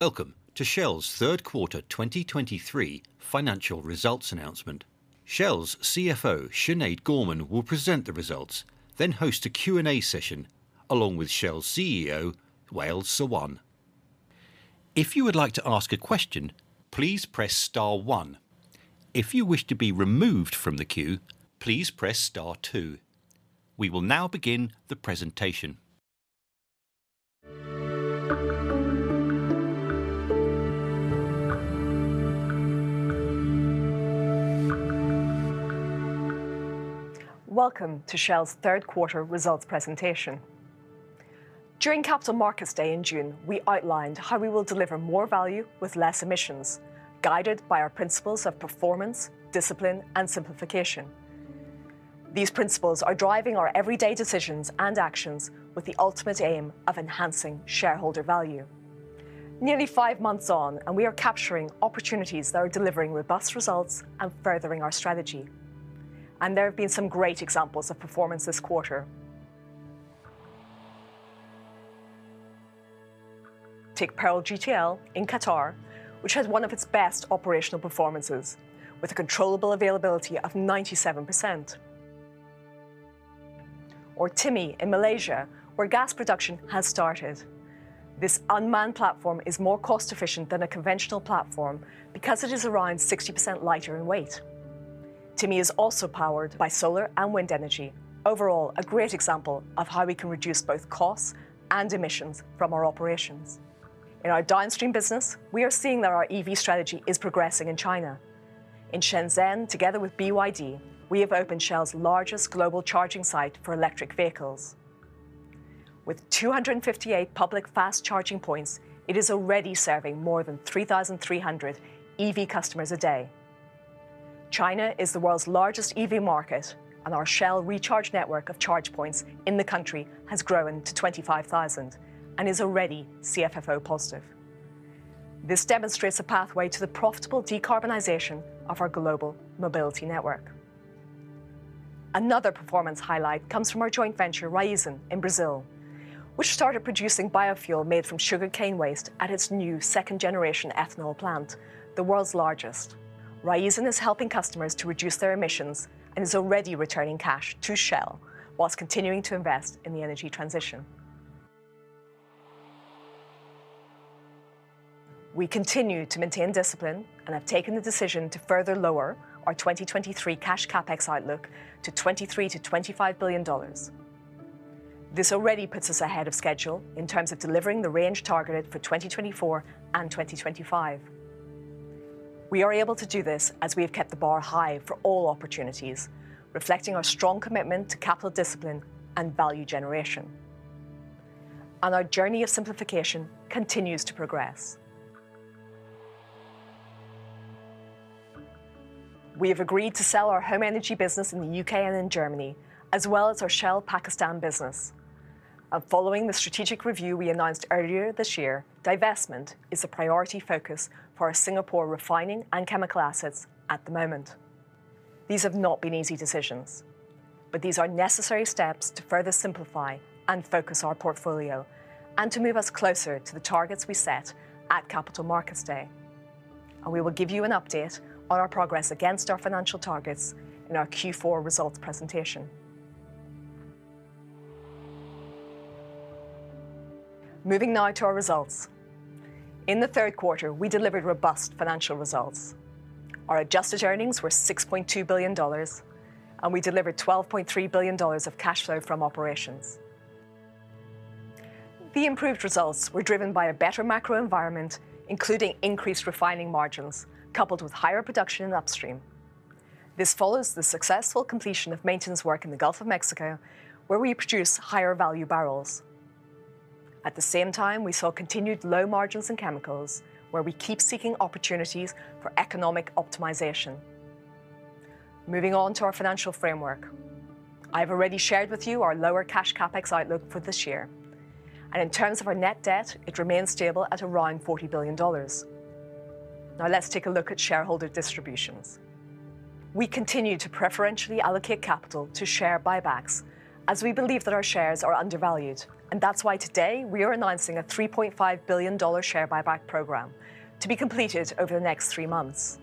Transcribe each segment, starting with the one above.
Welcome to Shell's Q3 2023 Financial Results Announcement. Shell's CFO, Sinead Gorman, will present the results, then host a Q&A session along with Shell's CEO, Wael Sawan. If you would like to ask a question, please press star one. If you wish to be removed from the queue, please press star two. We will now begin the presentation. Welcome to Shell's Q3 Results Presentation. During Capital Markets Day in June, we outlined how we will deliver more value with less emissions, guided by our principles of performance, discipline, and simplification. These principles are driving our everyday decisions and actions with the ultimate aim of enhancing shareholder value. Nearly five months on, and we are capturing opportunities that are delivering robust results and furthering our strategy, and there have been some great examples of performance this quarter. Take Pearl GTL in Qatar, which has one of its best operational performances, with a controllable availability of 97%. Or Timi in Malaysia, where gas production has started. This unmanned platform is more cost efficient than a conventional platform because it is around 60% lighter in weight. Timi is also powered by solar and wind energy. Overall, a great example of how we can reduce both costs and emissions from our operations. In our Downstream business, we are seeing that our EV strategy is progressing in China. In Shenzhen, together with BYD, we have opened Shell's largest global charging site for electric vehicles. With 258 public fast charging points, it is already serving more than 3,300 EV customers a day. China is the world's largest EV market, and our Shell Recharge network of charge points in the country has grown to 25,000 and is already CFFO positive. This demonstrates a pathway to the profitable decarbonization of our global mobility network. Another performance highlight comes from our joint venture, Raízen, in Brazil, which started producing biofuel made from sugarcane waste at its new second-generation ethanol plant, the world's largest. Raízen is helping customers to reduce their emissions and is already returning cash to Shell while continuing to invest in the energy transition. We continue to maintain discipline and have taken the decision to further lower our 2023 cash CapEx outlook to $23 billion-$25 billion. This already puts us ahead of schedule in terms of delivering the range targeted for 2024 and 2025. We are able to do this as we have kept the bar high for all opportunities, reflecting our strong commitment to capital discipline and value generation. And our journey of simplification continues to progress. We have agreed to sell our home energy business in the U.K. and in Germany, as well as our Shell Pakistan business. And following the strategic review we announced earlier this year, divestment is a priority focus for our Singapore refining and chemical assets at the moment. These have not been easy decisions, but these are necessary steps to further simplify and focus our portfolio and to move us closer to the targets we set at Capital Markets Day. We will give you an update on our progress against our financial targets in our Q4 results presentation. Moving now to our results. In the third quarter, we delivered robust financial results. Our adjusted earnings were $6.2 billion, and we delivered $12.3 billion of cash flow from operations. The improved results were driven by a better macro environment, including increased refining margins, coupled with higher production in upstream. This follows the successful completion of maintenance work in the Gulf of Mexico, where we produce higher value barrels. At the same time, we saw continued low margins in chemicals, where we keep seeking opportunities for economic optimization. Moving on to our financial framework. I've already shared with you our lower cash CapEx outlook for this year, and in terms of our net debt, it remains stable at around $40 billion. Now let's take a look at shareholder distributions. We continue to preferentially allocate capital to share buybacks, as we believe that our shares are undervalued. And that's why today we are announcing a $3.5 billion share buyback program to be completed over the next three months.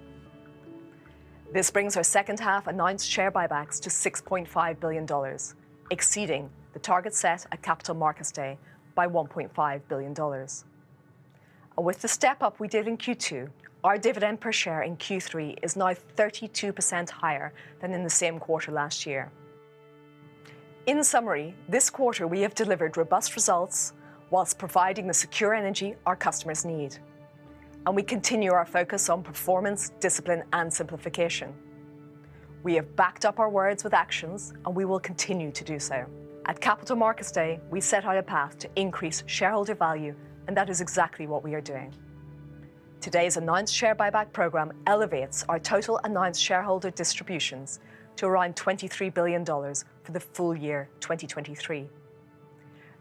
This brings our second half announced share buybacks to $6.5 billion, exceeding the target set at Capital Markets Day by $1.5 billion. With the step up we did in Q2, our dividend per share in Q3 is now 32% higher than in the same quarter last year. In summary, this quarter, we have delivered robust results while providing the secure energy our customers need, and we continue our focus on performance, discipline, and simplification. We have backed up our words with actions, and we will continue to do so. At Capital Markets Day, we set out a path to increase shareholder value, and that is exactly what we are doing. Today's announced share buyback program elevates our total announced shareholder distributions to around $23 billion for the full year 2023.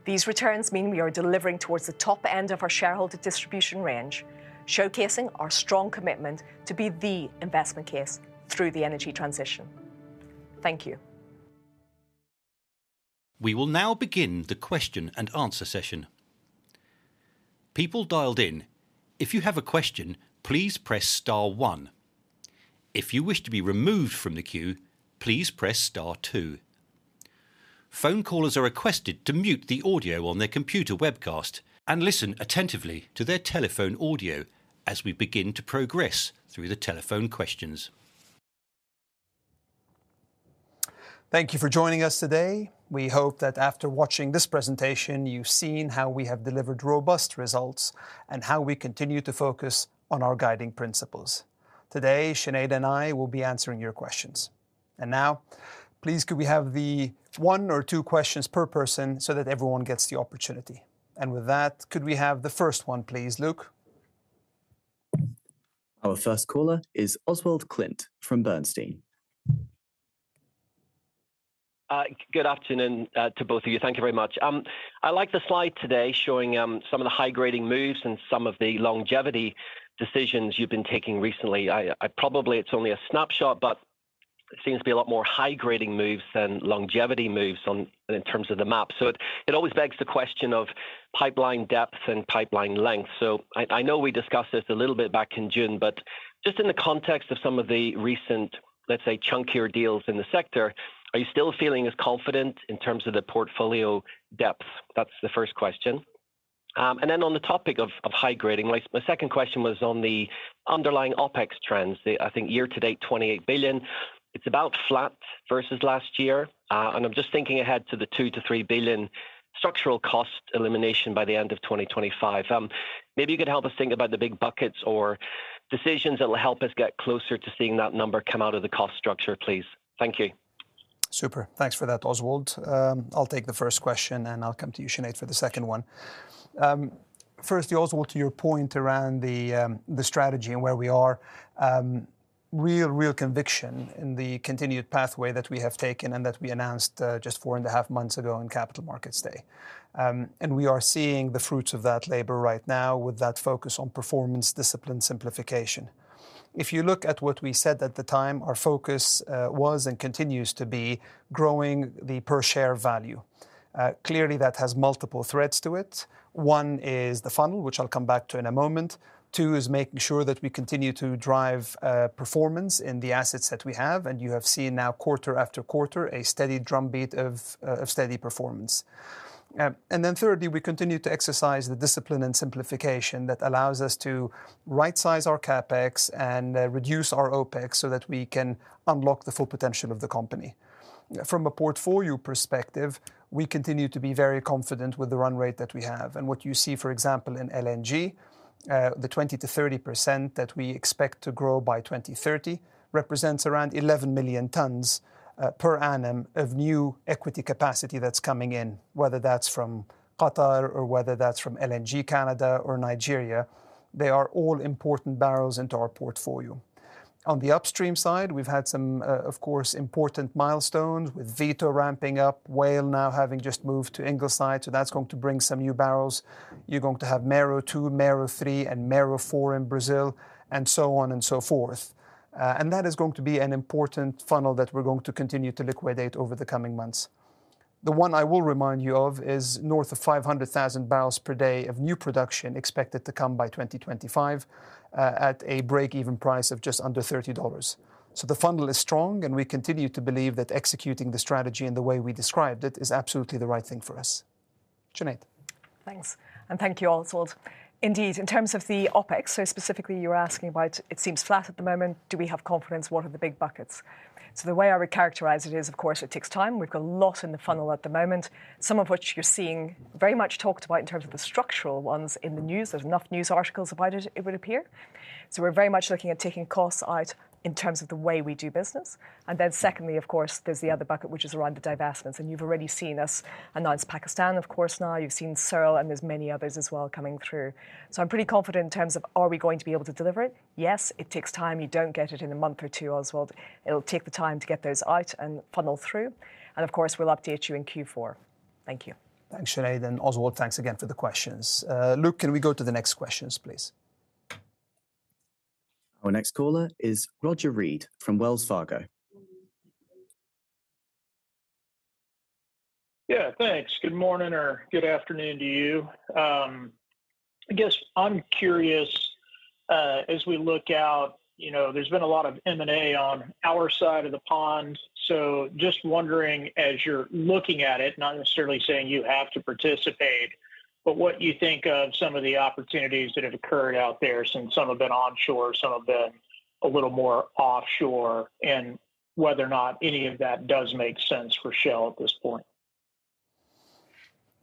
These returns mean we are delivering towards the top end of our shareholder distribution range, showcasing our strong commitment to be the investment case through the energy transition. Thank you. We will now begin the question and answer session. People dialed in, if you have a question, please press star one. If you wish to be removed from the queue, please press star two. Phone callers are requested to mute the audio on their computer webcast and listen attentively to their telephone audio as we begin to progress through the telephone questions. Thank you for joining us today. We hope that after watching this presentation, you've seen how we have delivered robust results and how we continue to focus on our guiding principles. Today, Sinead and I will be answering your questions. Now, please, could we have the one or two questions per person so that everyone gets the opportunity? With that, could we have the first one, please, Luke? Our first caller is Oswald Clint from Bernstein. Good afternoon to both of you. Thank you very much. I like the slide today showing some of the high-grading moves and some of the longevity decisions you've been taking recently. Probably it's only a snapshot, but it seems to be a lot more high-grading moves than longevity moves on, in terms of the map. So it always begs the question of pipeline depth and pipeline length. So I know we discussed this a little bit back in June, but just in the context of some of the recent, let's say, chunkier deals in the sector, are you still feeling as confident in terms of the portfolio depth? That's the first question. And then on the topic of high-grading, my second question was on the underlying OpEx trends. I think year-to-date $28 billion, it's about flat versus last year. And I'm just thinking ahead to the $2 billion-$3 billion structural cost elimination by the end of 2025. Maybe you could help us think about the big buckets or decisions that will help us get closer to seeing that number come out of the cost structure, please. Thank you. Super. Thanks for that, Oswald. I'll take the first question, and I'll come to you, Sinead, for the second one. Firstly, Oswald, to your point around the strategy and where we are, real, real conviction in the continued pathway that we have taken and that we announced just four and a half months ago on Capital Markets Day. And we are seeing the fruits of that labor right now with that focus on performance, discipline, simplification. If you look at what we said at the time, our focus was and continues to be growing the per-share value. Clearly, that has multiple threads to it. One is the funnel, which I'll come back to in a moment. Two is making sure that we continue to drive performance in the assets that we have, and you have seen now quarter after quarter, a steady drumbeat of steady performance. And then thirdly, we continue to exercise the discipline and simplification that allows us to rightsize our CapEx and reduce our OpEx so that we can unlock the full potential of the company. From a portfolio perspective, we continue to be very confident with the run rate that we have. And what you see, for example, in LNG, the 20%-30% that we expect to grow by 2030 represents around 11 million tons per annum of new equity capacity that's coming in, whether that's from Qatar or whether that's from LNG Canada or Nigeria, they are all important barrels into our portfolio. On the upstream side, we've had some, of course, important milestones with Vito ramping up, Whale now having just moved to Ingleside, so that's going to bring some new barrels. You're going to have Mero-2, Mero-3, and Mero-4 in Brazil, and so on and so forth. And that is going to be an important funnel that we're going to continue to liquidate over the coming months. The one I will remind you of is north of 500,000 barrels per day of new production expected to come by 2025, at a break-even price of just under $30. So the funnel is strong, and we continue to believe that executing the strategy in the way we described it is absolutely the right thing for us. Sinead? Thanks, and thank you, Oswald. Indeed, in terms of the OpEx, so specifically you're asking about it seems flat at the moment. Do we have confidence? What are the big buckets? So the way I would characterize it is, of course, it takes time. We've got a lot in the funnel at the moment, some of which you're seeing very much talked about in terms of the structural ones in the news. There's enough news articles about it, it would appear. So we're very much looking at taking costs out in terms of the way we do business. And then secondly, of course, there's the other bucket, which is around the divestments, and you've already seen us. And that's Pakistan, of course, now. You've seen Salym, and there's many others as well coming through. So I'm pretty confident in terms of, are we going to be able to deliver it? Yes, it takes time. You don't get it in a month or two, Oswald. It'll take the time to get those out and funnel through, and of course, we'll update you in Q4. Thank you. Thanks, Sinead, and Oswald, thanks again for the questions. Luke, can we go to the next questions, please? Our next caller is Roger Read from Wells Fargo. Yeah, thanks. Good morning or good afternoon to you. I guess I'm curious, as we look out, you know, there's been a lot of M&A on our side of the pond, so just wondering, as you're looking at it, not necessarily saying you have to participate, but what you think of some of the opportunities that have occurred out there since some have been onshore, some have been a little more offshore, and whether or not any of that does make sense for Shell at this point.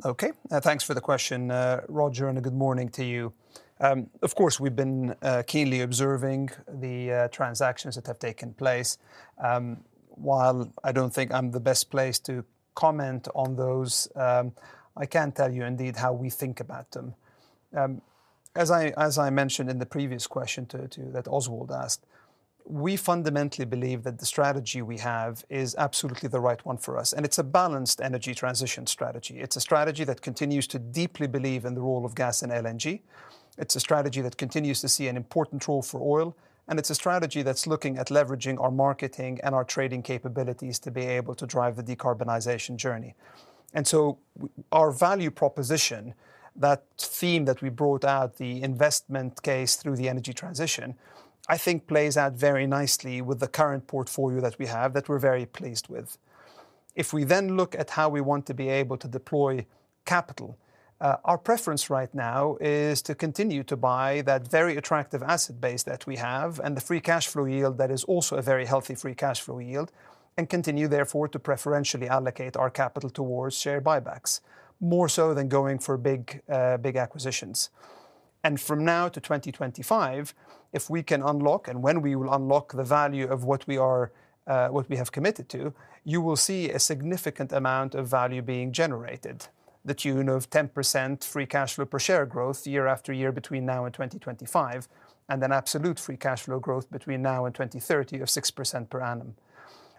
Okay. Thanks for the question, Roger, and a good morning to you. Of course, we've been keenly observing the transactions that have taken place. While I don't think I'm the best placed to comment on those, I can tell you indeed how we think about them. As I mentioned in the previous question to you that Oswald asked, we fundamentally believe that the strategy we have is absolutely the right one for us, and it's a balanced energy transition strategy. It's a strategy that continues to deeply believe in the role of gas and LNG. It's a strategy that continues to see an important role for oil, and it's a strategy that's looking at leveraging our marketing and our trading capabilities to be able to drive the decarbonization journey. Our value proposition, that theme that we brought out, the investment case through the energy transition, I think plays out very nicely with the current portfolio that we have, that we're very pleased with. If we then look at how we want to be able to deploy capital, our preference right now is to continue to buy that very attractive asset base that we have, and the free cash flow yield that is also a very healthy free cash flow yield, and continue therefore to preferentially allocate our capital towards share buybacks, more so than going for big, big acquisitions. From now to 2025, if we can unlock, and when we will unlock the value of what we are, what we have committed to, you will see a significant amount of value being generated. The tune of 10% free cash flow per share growth year after year between now and 2025, and then absolute free cash flow growth between now and 2030 of 6% per annum.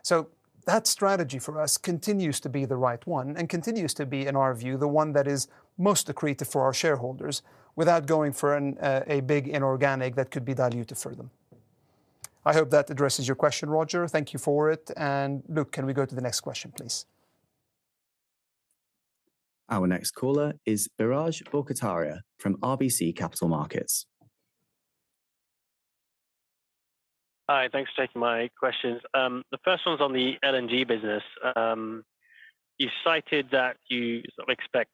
So that strategy for us continues to be the right one, and continues to be, in our view, the one that is most accretive for our shareholders, without going for an, a big inorganic that could be dilutive for them. I hope that addresses your question, Roger. Thank you for it, and Luke, can we go to the next question, please? Our next caller is Biraj Borkhataria from RBC Capital Markets. Hi, thanks for taking my questions. The first one's on the LNG business. You've cited that you sort of expect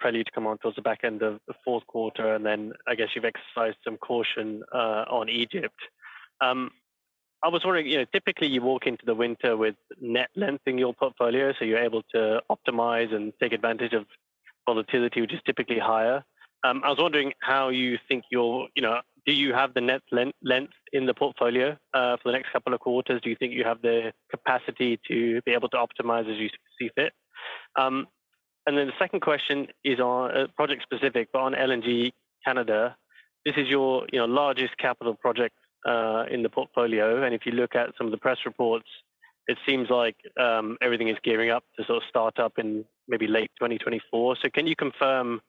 Prelude to come on towards the back end of the fourth quarter, and then I guess you've exercised some caution on Egypt. I was wondering, you know, typically you walk into the winter with net length in your portfolio, so you're able to optimize and take advantage of volatility, which is typically higher. I was wondering how you think you'll, you know, do you have the net length in the portfolio for the next couple of quarters? Do you think you have the capacity to be able to optimize as you see fit? And then the second question is on project-specific, but on LNG Canada, this is your, you know, largest capital project in the portfolio, and if you look at some of the press reports, it seems like everything is gearing up to sort of start up in maybe late 2024. So can you confirm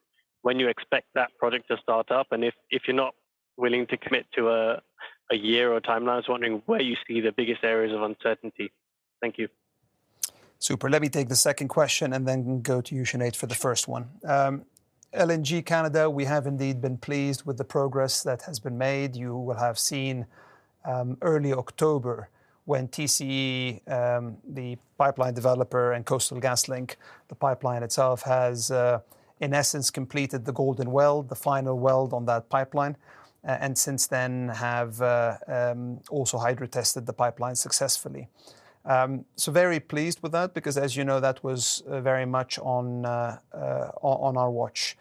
when you expect that project to start up? And if you're not willing to commit to a year or a timeline, I was wondering where you see the biggest areas of uncertainty. Thank you. Super. Let me take the second question and then go to you, Sinead, for the first one. LNG Canada, we have indeed been pleased with the progress that has been made. You will have seen, early October, when TC Energy, the pipeline developer and Coastal GasLink, the pipeline itself, has in essence completed the golden weld, the final weld on that pipeline. And since then have also hydro-tested the pipeline successfully. So very pleased with that, because as you know, that was very much on our watch.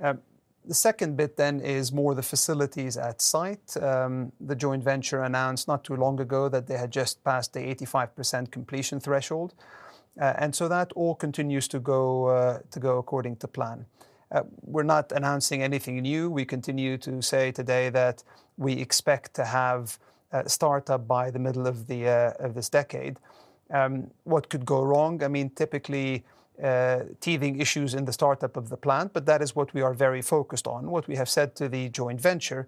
The second bit then is more the facilities at site. The joint venture announced not too long ago that they had just passed the 85% completion threshold. And so that all continues to go according to plan. We're not announcing anything new. We continue to say today that we expect to have a startup by the middle of this decade. What could go wrong? I mean, typically, teething issues in the startup of the plant, but that is what we are very focused on. What we have said to the joint venture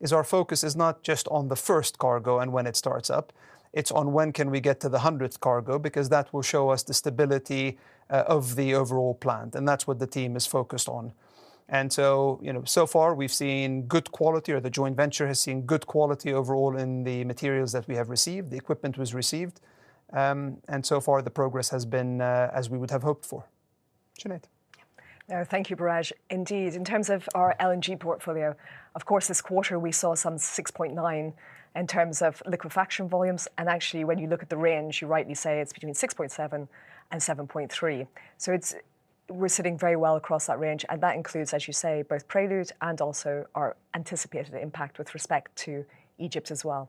is our focus is not just on the first cargo and when it starts up, it's on when can we get to the hundredth cargo, because that will show us the stability of the overall plant, and that's what the team is focused on. And so, you know, so far we've seen good quality, or the joint venture has seen good quality overall in the materials that we have received, the equipment was received. And so far the progress has been as we would have hoped for. Sinead? Yeah. Thank you, Biraj. Indeed, in terms of our LNG portfolio, of course this quarter we saw some 6.9 in terms of liquefaction volumes, and actually when you look at the range, you rightly say it's between 6.7 and 7.3. So it's- we're sitting very well across that range, and that includes, as you say, both Prelude and also our anticipated impact with respect to Egypt as well.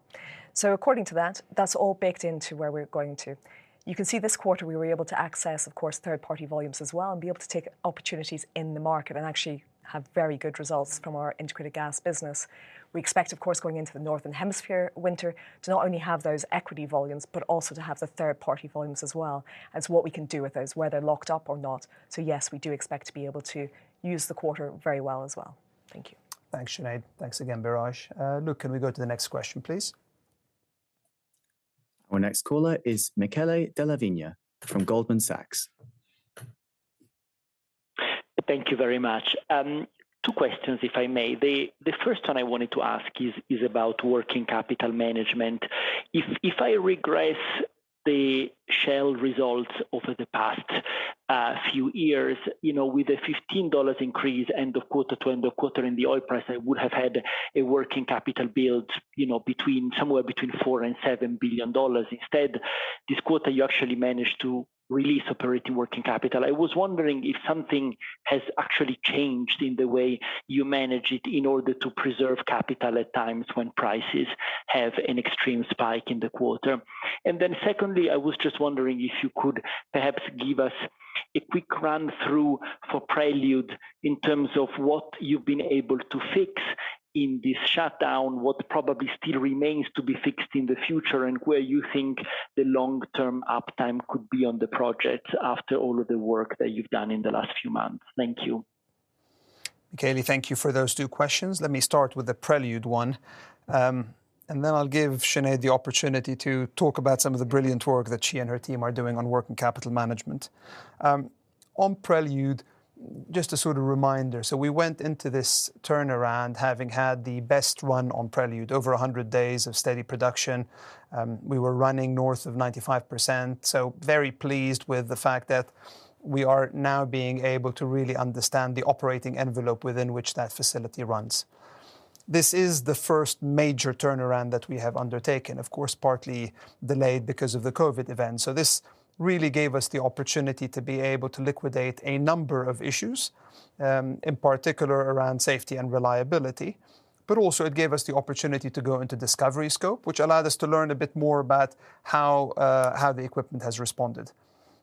So according to that, that's all baked into where we're going to. You can see this quarter we were able to access, of course, third-party volumes as well, and be able to take opportunities in the market and actually have very good results from our integrated gas business. We expect, of course, going into the Northern Hemisphere winter, to not only have those equity volumes, but also to have the third-party volumes as well, and so what we can do with those, whether they're locked up or not. So yes, we do expect to be able to use the quarter very well as well. Thank you. Thanks, Sinead. Thanks again, Biraj. Luke, can we go to the next question, please? Our next caller is Michele Della Vigna from Goldman Sachs. Thank you very much. Two questions, if I may. The first one I wanted to ask is about working capital management. If I regress the Shell results over the past few years, you know, with a $15 increase end of quarter to end of quarter in the oil price, I would have had a working capital build, you know, somewhere between $4 billion and $7 billion. Instead, this quarter you actually managed to release operating working capital. I was wondering if something has actually changed in the way you manage it in order to preserve capital at times when prices have an extreme spike in the quarter? And then secondly, I was just wondering if you could perhaps give u a quick run through for Prelude in terms of what you've been able to fix in this shutdown, what probably still remains to be fixed in the future, and where you think the long-term uptime could be on the project after all of the work that you've done in the last few months? Thank you. Michele, thank you for those two questions. Let me start with the Prelude one, and then I'll give Sinead the opportunity to talk about some of the brilliant work that she and her team are doing on working capital management. On Prelude, just a sort of reminder, so we went into this turnaround having had the best run on Prelude, over 100 days of steady production. We were running north of 95%, so very pleased with the fact that we are now being able to really understand the operating envelope within which that facility runs. This is the first major turnaround that we have undertaken, of course, partly delayed because of the COVID event. So this really gave us the opportunity to be able to liquidate a number of issues, in particular around safety and reliability. But also it gave us the opportunity to go into discovery scope, which allowed us to learn a bit more about how the equipment has responded.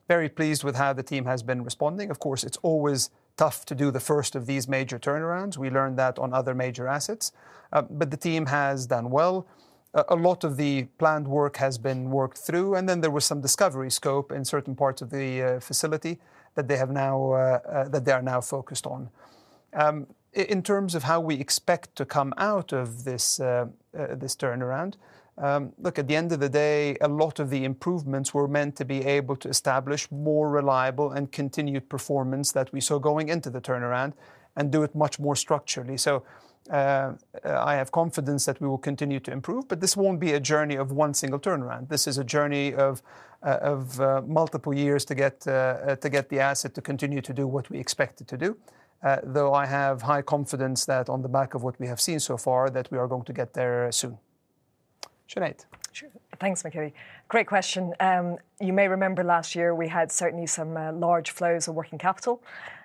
Very pleased with how the team has been responding. Of course, it's always tough to do the first of these major turnarounds. We learned that on other major assets. But the team has done well. A lot of the planned work has been worked through, and then there was some discovery scope in certain parts of the facility that they have now that they are now focused on. In terms of how we expect to come out of this, this turnaround, look, at the end of the day, a lot of the improvements were meant to be able to establish more reliable and continued performance that we saw going into the turnaround and do it much more structurally. So, I have confidence that we will continue to improve, but this won't be a journey of one single turnaround. This is a journey of multiple years to get the asset to continue to do what we expect it to do. Though I have high confidence that on the back of what we have seen so far, that we are going to get there soon. Sinead? Sure. Thanks, Michele. Great question. You may remember last year we had certainly some large flows of working capital.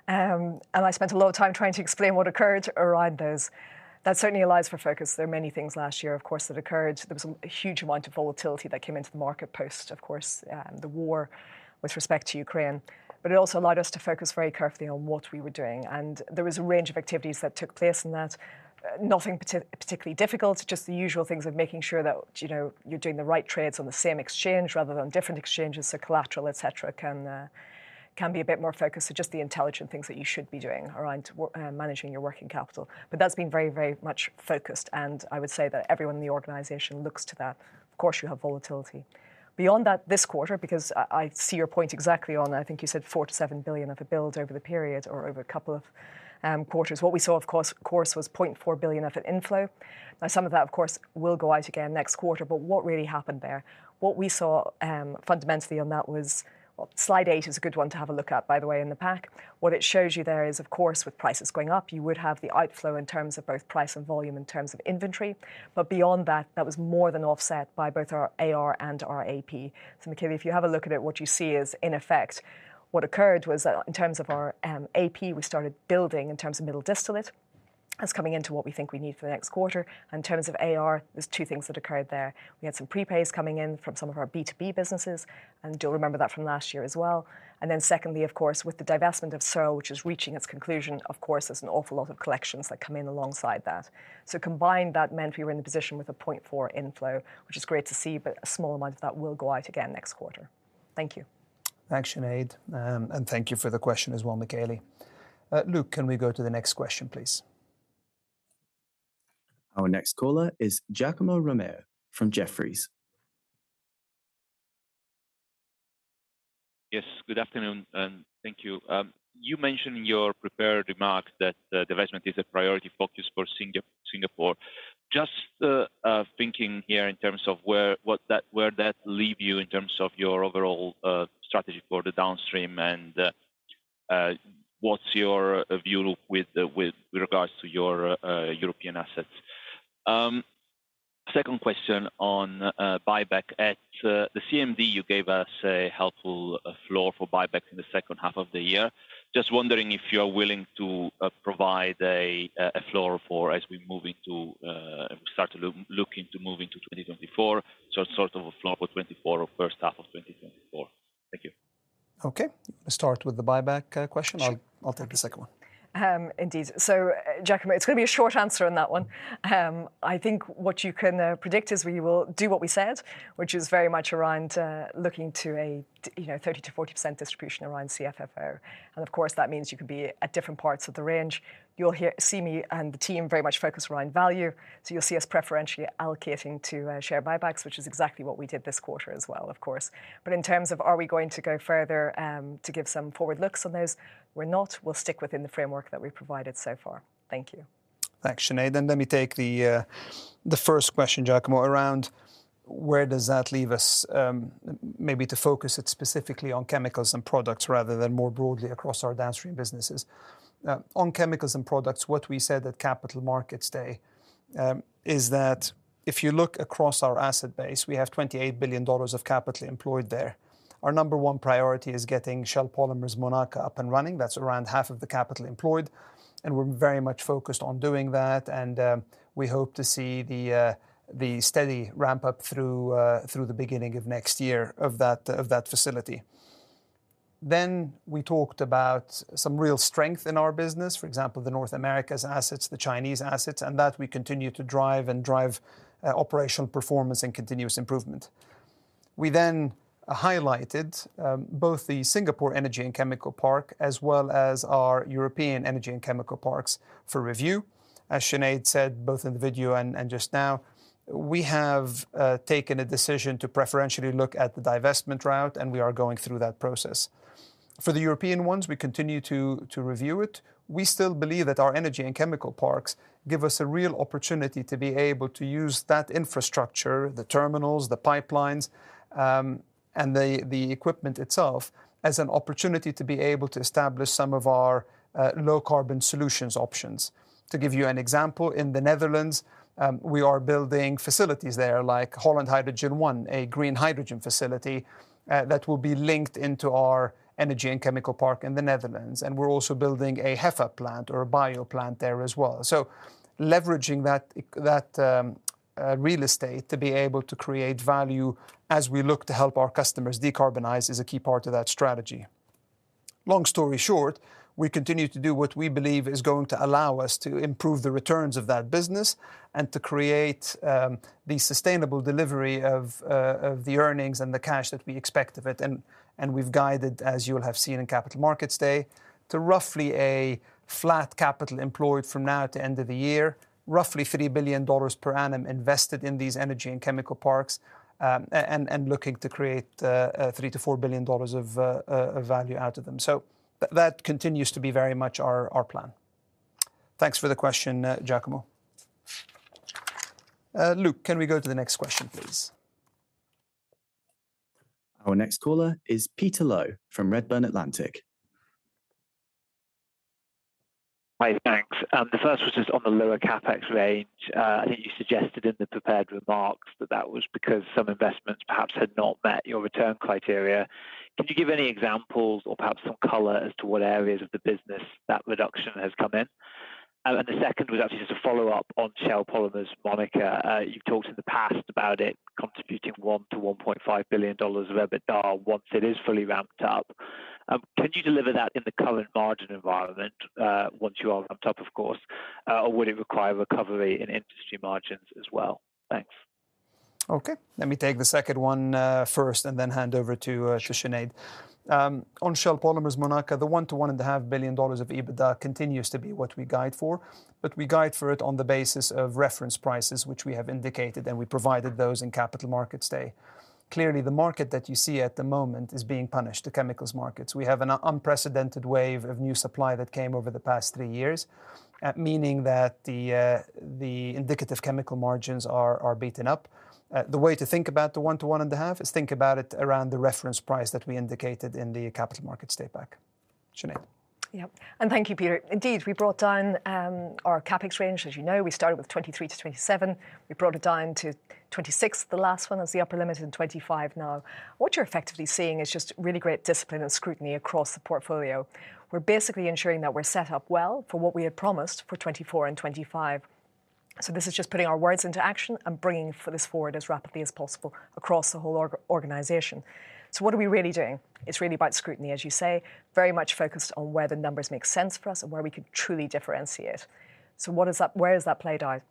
And I spent a lot of time trying to explain what occurred around those. That certainly allows for focus. There were many things last year, of course, that occurred. There was a huge amount of volatility that came into the market post, of course, the war with respect to Ukraine. But it also allowed us to focus very carefully on what we were doing, and there was a range of activities that took place, and that's nothing particularly difficult, just the usual things of making sure that, you know, you're doing the right trades on the same exchange rather than on different exchanges, so collateral, et cetera, can be a bit more focused. So just the intelligent things that you should be doing around managing your working capital. But that's been very, very much focused, and I would say that everyone in the organization looks to that. Of course, you have volatility. Beyond that, this quarter, because I see your point exactly on, I think you said $4 billion-$7 billion of the build over the period or over a couple of quarters. What we saw, of course, was $0.4 billion of it inflow. Now, some of that, of course, will go out again next quarter, but what really happened there, what we saw, fundamentally on that was... Well, slide eight is a good one to have a look at, by the way, in the pack. What it shows you there is, of course, with prices going up, you would have the outflow in terms of both price and volume in terms of inventory, but beyond that, that was more than offset by both our AR and our AP. So Michele, if you have a look at it, what you see is, in effect, what occurred was that in terms of our AP, we started building in terms of middle distillate. That's coming into what we think we need for the next quarter. In terms of AR, there's two things that occurred there. We had some prepays coming in from some of our B2B businesses, and you'll remember that from last year as well. And then secondly, of course, with the divestment of Salym, which is reaching its conclusion, of course, there's an awful lot of collections that come in alongside that. Combined, that meant we were in the position with a $0.4 inflow, which is great to see, but a small amount of that will go out again next quarter. Thank you. Thanks, Sinead. Thank you for the question as well, Michele. Luke, can we go to the next question, please? Our next caller is Giacomo Romeo from Jefferies. Yes, good afternoon, and thank you. You mentioned in your prepared remarks that divestment is a priority focus for Singapore. Just thinking here in terms of where, what that, where that leave you in terms of your overall strategy for the downstream, and what's your view with regards to your European assets? Second question on buyback. At the CMD, you gave us a helpful floor for buyback in the second half of the year. Just wondering if you are willing to provide a floor for as we move into start to look, looking to move into 2024, so sort of a floor for 2024 or H1 of 2024. Thank you. Okay. Let's start with the buyback question. Sure. I'll take the second one. Indeed. Giacomo, it's gonna be a short answer on that one. I think what you can predict is we will do what we said, which is very much around looking to a you know, 30%-40% distribution around CFFO. And of course, that means you could be at different parts of the range. You'll see me and the team very much focused around value, so you'll see us preferentially allocating to share buybacks, which is exactly what we did this quarter as well, of course. But in terms of are we going to go further, to give some forward looks on those, we're not. We'll stick within the framework that we've provided so far. Thank you. Thanks, Sinead. Let me take the first question, Giacomo, around where does that leave us? Maybe to focus it specifically on chemicals and products rather than more broadly across our downstream businesses. On chemicals and products, what we said at Capital Markets Day is that if you look across our asset base, we have $28 billion of capital employed there. Our number one priority is getting Shell Polymers Monaca up and running. That's around half of the capital employed, and we're very much focused on doing that, and we hope to see the steady ramp up through the beginning of next year, of that facility. Then we talked about some real strength in our business, for example, the North America's assets, the Chinese assets, and that we continue to drive and drive operational performance and continuous improvement. We then highlighted both the Singapore Energy and Chemical Park, as well as our European energy and chemical parks for review. As Sinead said, both in the video and just now, we have taken a decision to preferentially look at the divestment route, and we are going through that process. For the European ones, we continue to review it. We still believe that our energy and chemical parks give us a real opportunity to be able to use that infrastructure, the terminals, the pipelines, and the equipment itself, as an opportunity to be able to establish some of our low-carbon solutions options. To give you an example, in the Netherlands, we are building facilities there, like Holland Hydrogen 1, a green hydrogen facility, that will be linked into our energy and chemical park in the Netherlands, and we're also building a HEFA plant or a bio plant there as well. So leveraging that that real estate to be able to create value as we look to help our customers decarbonize is a key part of that strategy. Long story short, we continue to do what we believe is going to allow us to improve the returns of that business, and to create the sustainable delivery of the earnings and the cash that we expect of it. We've guided, as you will have seen in Capital Markets Day, to roughly a flat capital employed from now to end of the year, roughly $3 billion per annum invested in these energy and chemical parks, and looking to create $3 billion-$4 billion of value out of them. That continues to be very much our plan. Thanks for the question, Giacomo. Luke, can we go to the next question, please? Our next caller is Peter Low from Redburn Atlantic. Hi, thanks. The first was just on the lower CapEx range. I think you suggested in the prepared remarks that that was because some investments perhaps had not met your return criteria. Can you give any examples or perhaps some color as to what areas of the business that reduction has come in? And the second was actually just a follow-up on Shell Polymers Monaca. You've talked in the past about it contributing $1 billion-$1.5 billion of EBITDA, once it is fully ramped up. Can you deliver that in the current margin environment, once you are on top, of course, or would it require recovery in industry margins as well? Thanks. Okay, let me take the second one, first, and then hand over to Sinead. On Shell Polymers Monaca, the $1 billion-$1.5 billion of EBITDA continues to be what we guide for. But we guide for it on the basis of reference prices, which we have indicated, and we provided those in Capital Markets Day. Clearly, the market that you see at the moment is being punished, the chemicals markets. We have an unprecedented wave of new supply that came over the past three years, meaning that the indicative chemical margins are beaten up. The way to think about the $1 billion-$1.5 billion, is think about it around the reference price that we indicated in the Capital Markets Day back. Sinead? Yep, and thank you, Peter. Indeed, we brought down our CapEx range. As you know, we started with $23-$27. We brought it down to $26, the last one as the upper limit, and $25 now. What you're effectively seeing is just really great discipline and scrutiny across the portfolio. We're basically ensuring that we're set up well for what we had promised for 2024 and 2025. So this is just putting our words into action and bringing this forward as rapidly as possible across the whole organization. So what are we really doing? It's really about scrutiny, as you say, very much focused on where the numbers make sense for us and where we can truly differentiate. So where does that play out?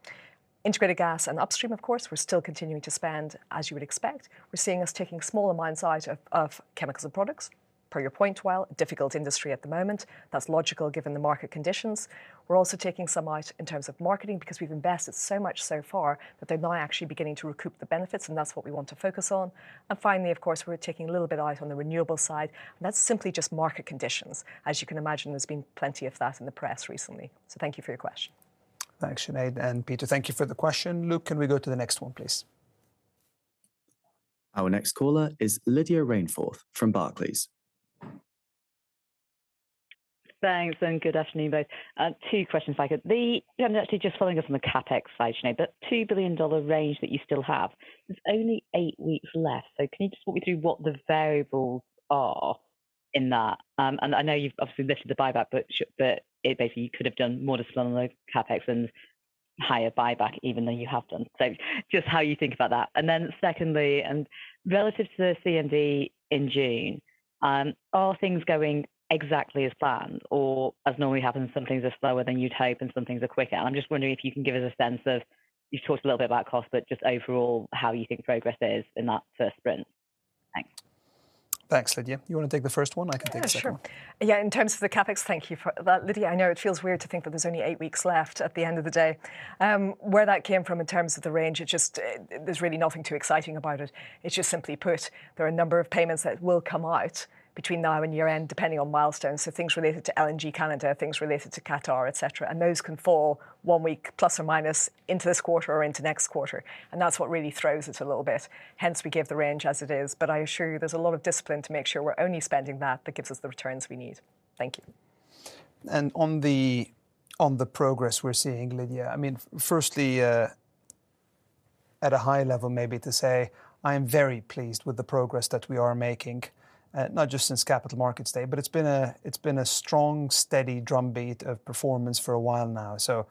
Integrated gas and upstream, of course, we're still continuing to spend, as you would expect. We're seeing us taking smaller in size of chemicals and products, per your point, while a difficult industry at the moment, that's logical, given the market conditions. We're also taking some out in terms of marketing, because we've invested so much so far that they're now actually beginning to recoup the benefits, and that's what we want to focus on. And finally, of course, we're taking a little bit out on the renewable side, and that's simply just market conditions. As you can imagine, there's been plenty of that in the press recently. So thank you for your question. Thanks, Sinead, and Peter, thank you for the question. Luke, can we go to the next one, please? Our next caller is Lydia Rainforth from Barclays. Thanks, and good afternoon, both. two questions if I could. I'm actually just following up on the CapEx side, Sinead, that $2 billion range that you still have; there's only eight weeks left. So can you just walk me through what the variables are in that? And I know you've obviously listed the buyback, but it basically you could have done more discipline on the CapEx and higher buyback even than you have done. So just how you think about that. And then secondly, and relative to the CMD in June, are things going exactly as planned, or as normally happens, some things are slower than you'd hope and some things are quicker? I'm just wondering if you can give us a sense of; you've talked a little bit about cost, but just overall, how you think progress is in that first sprint. Thanks. Thanks, Lydia. You wanna take the first one? I can take the second one. Yeah, sure. Yeah, in terms of the CapEx, thank you for that. Lydia, I know it feels weird to think that there's only eight weeks left at the end of the day. Where that came from in terms of the range, it just, there's really nothing too exciting about it. It's just simply put, there are a number of payments that will come out between now and year-end, depending on milestones, so things related to LNG calendar, things related to Qatar, etc. And those can fall one week, plus or minus, into this quarter or into next quarter, and that's what really throws it a little bit. Hence, we give the range as it is, but I assure you, there's a lot of discipline to make sure we're only spending that, that gives us the returns we need. Thank you. On the progress we're seeing, Lydia, I mean, firstly, at a high level maybe to say, I am very pleased with the progress that we are making, not just since Capital Markets Day, but it's been a strong, steady drumbeat of performance for a while now. So,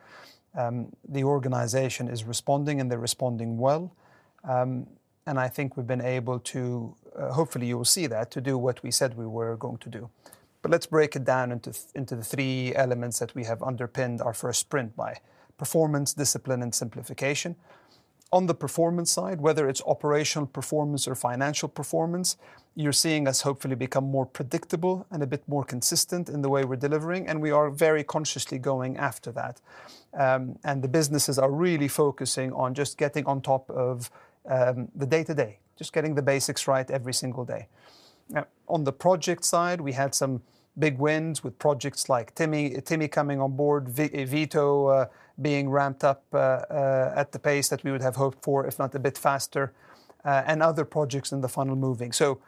the organization is responding, and they're responding well. And I think we've been able to, hopefully you will see that, to do what we said we were going to do. But let's break it down into the three elements that we have underpinned our first sprint by: performance, discipline, and simplification. On the performance side, whether it's operational performance or financial performance, you're seeing us hopefully become more predictable and a bit more consistent in the way we're delivering, and we are very consciously going after that. The businesses are really focusing on just getting on top of the day-to-day, just getting the basics right every single day. On the project side, we had some big wins with projects like Timi, Timi coming on board, Vito being ramped up at the pace that we would have hoped for, if not a bit faster, and other projects in the funnel moving. So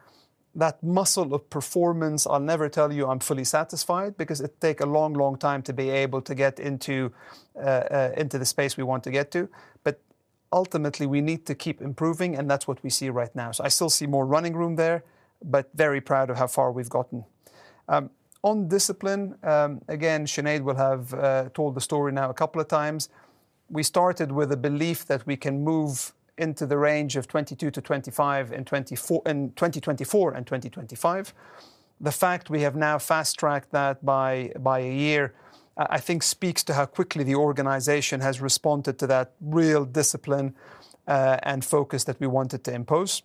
that muscle of performance, I'll never tell you I'm fully satisfied, because it take a long, long time to be able to get into, into the space we want to get to, but ultimately, we need to keep improving, and that's what we see right now. So I still see more running room there, but very proud of how far we've gotten. On discipline, again, Sinead will have told the story now a couple of times. We started with a belief that we can move into the range of $20-$25 in 2024 and 2025. The fact we have now fast-tracked that by a year, I think speaks to how quickly the organization has responded to that real discipline, and focus that we wanted to impose.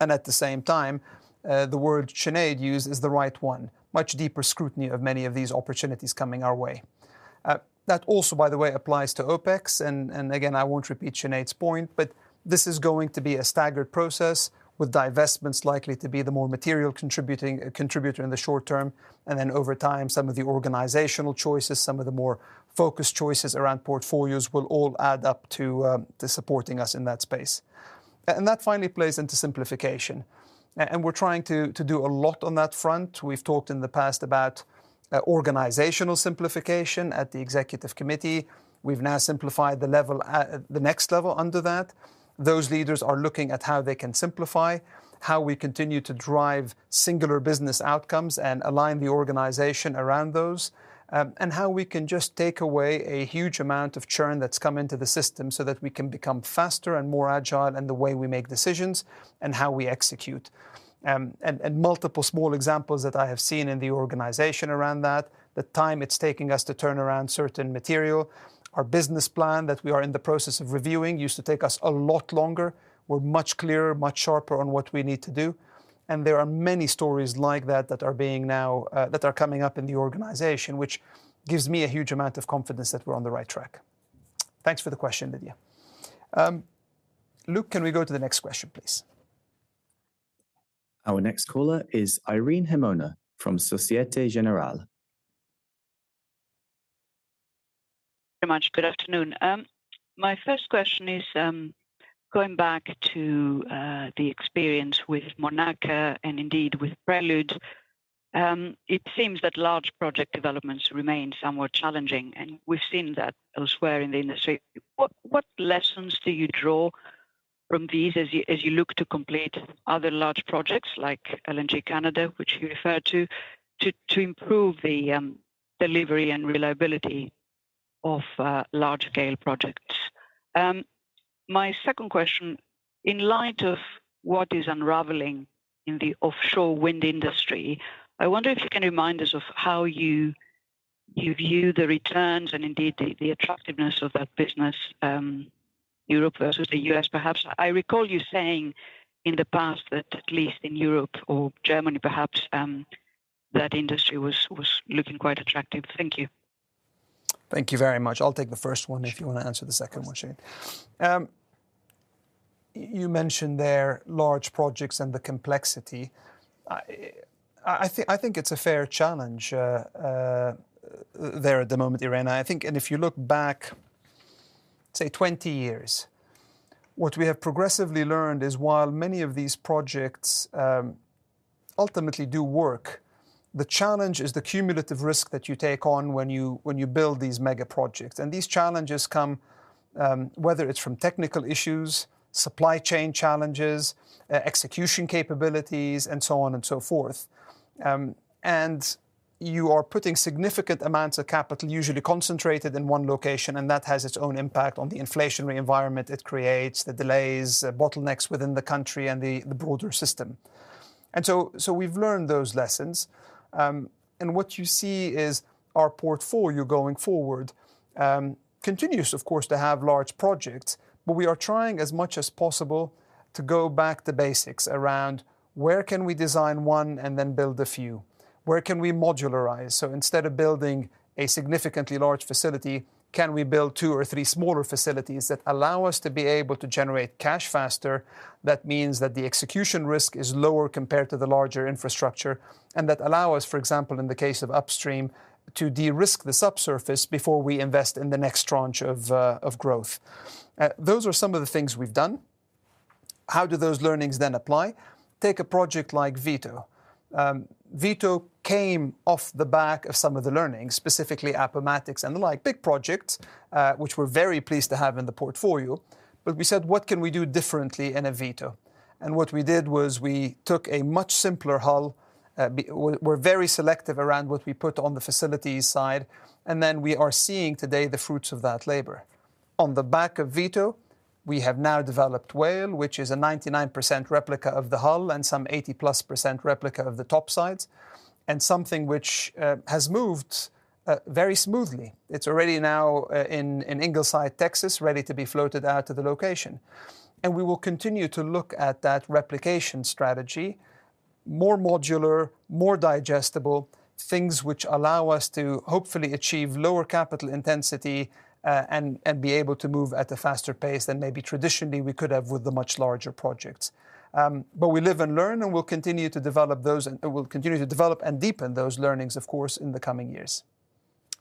And at the same time, the word Sinead used is the right one, much deeper scrutiny of many of these opportunities coming our way. That also, by the way, applies to OpEx, and again, I won't repeat Sinead's point, but this is going to be a staggered process, with divestments likely to be the more material contributor in the short term. Then over time, some of the organizational choices, some of the more focused choices around portfolios will all add up to to supporting us in that space. And that finally plays into simplification, and we're trying to do a lot on that front. We've talked in the past about organizational simplification at the executive committee. We've now simplified the level the next level under that. Those leaders are looking at how they can simplify, how we continue to drive singular business outcomes and align the organization around those, and how we can just take away a huge amount of churn that's come into the system, so that we can become faster and more agile in the way we make decisions and how we execute. And multiple small examples that I have seen in the organization around that, the time it's taking us to turn around certain material. Our business plan that we are in the process of reviewing used to take us a lot longer. We're much clearer, much sharper on what we need to do, and there are many stories like that that are coming up in the organization, which gives me a huge amount of confidence that we're on the right track. Thanks for the question, Lydia. Luke, can we go to the next question, please? Our next caller is Irene Himona from Societe Generale. Thank you very much. Good afternoon. My first question is, going back to the experience with Monaca and indeed with Prelude, it seems that large project developments remain somewhat challenging, and we've seen that elsewhere in the industry. What lessons do you draw from these as you look to complete other large projects, like LNG Canada, which you referred to, to improve the delivery and reliability of large-scale projects? My second question: in light of what is unraveling in the offshore wind industry, I wonder if you can remind us of how you view the returns and indeed the attractiveness of that business, Europe versus the U.S., perhaps. I recall you saying in the past that at least in Europe or Germany, perhaps, that industry was looking quite attractive. Thank you. Thank you very much. I'll take the first one, if you want to answer the second one, Sinead. You mentioned there large projects and the complexity. I think, I think it's a fair challenge there at the moment, Irene, and I think. And if you look back, say, 20 years, what we have progressively learned is while many of these projects ultimately do work, the challenge is the cumulative risk that you take on when you build these mega projects, and these challenges come whether it's from technical issues, supply chain challenges, execution capabilities, and so on and so forth. And you are putting significant amounts of capital, usually concentrated in one location, and that has its own impact on the inflationary environment. It creates the delays, the bottlenecks within the country and the broader system. So we've learned those lessons. And what you see is our portfolio going forward continues, of course, to have large projects, but we are trying as much as possible to go back to basics around where can we design one and then build a few? Where can we modularize? So instead of building a significantly large facility, can we build two or three smaller facilities that allow us to be able to generate cash faster? That means that the execution risk is lower compared to the larger infrastructure, and that allow us, for example, in the case of upstream, to de-risk the subsurface before we invest in the next tranche of growth. Those are some of the things we've done.... How do those learnings then apply? Take a project like Vito. Vito came off the back of some of the learnings, specifically Appomattox and the like, big projects, which we're very pleased to have in the portfolio. But we said, "What can we do differently in a Vito?" And what we did was we took a much simpler hull, we're very selective around what we put on the facilities side, and then we are seeing today the fruits of that labor. On the back of Vito, we have now developed Whale, which is a 99% replica of the hull and some 80+% replica of the top sides, and something which has moved very smoothly. It's already now in Ingleside, Texas, ready to be floated out to the location. And we will continue to look at that replication strategy, more modular, more digestible, things which allow us to hopefully achieve lower capital intensity, and be able to move at a faster pace than maybe traditionally we could have with the much larger projects. But we live and learn, and we'll continue to develop those, and we'll continue to develop and deepen those learnings, of course, in the coming years.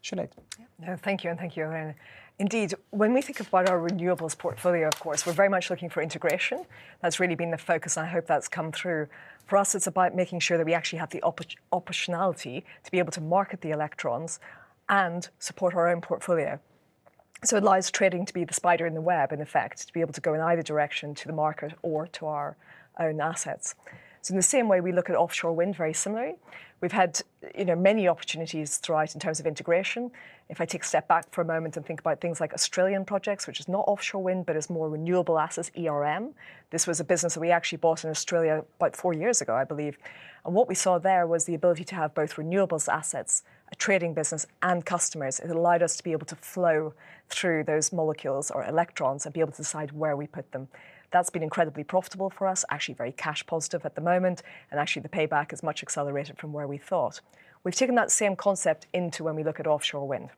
Sinead? Yeah. No, thank you, and thank you, Irene. Indeed, when we think about our renewables portfolio, of course, we're very much looking for integration. That's really been the focus, and I hope that's come through. For us, it's about making sure that we actually have the optionality to be able to market the electrons and support our own portfolio. So it allows trading to be the spider in the web, in effect, to be able to go in either direction, to the market or to our own assets. So in the same way, we look at offshore wind very similarly. We've had, you know, many opportunities to arise in terms of integration. If I take a step back for a moment and think about things like Australian projects, which is not offshore wind, but is more renewable assets, this was a business that we actually bought in Australia about four years ago, I believe, and what we saw there was the ability to have both renewables assets, a trading business, and customers. It allowed us to be able to flow through those molecules or electrons and be able to decide where we put them. That's been incredibly profitable for us, actually very cash positive at the moment, and actually the payback is much accelerated from where we thought. We've taken that same concept into when we look at offshore wind.